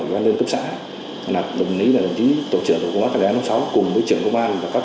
các đơn cấp xã là đồng ý là đồng ý tổng trưởng của quốc gia năm sáu cùng với trưởng công an và các